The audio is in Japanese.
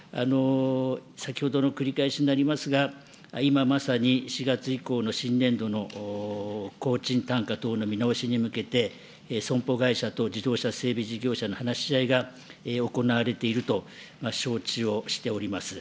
先ほどの繰り返しになりますが、今まさに４月以降の新年度の工賃単価等の見直しに向けて、損保会社と自動車整備事業者の話し合いが行われていると承知をしております。